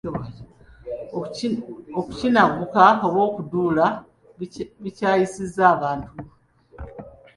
Okukinagguka oba okuduula bikyayisizza abantu.